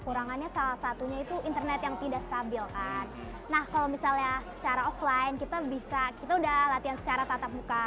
karena salah satunya itu internet yang tidak stabil kan nah kalau misalnya secara offline kita bisa kita udah latihan secara tatap muka